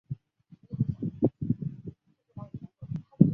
所以我们肯定会漏掉很多书。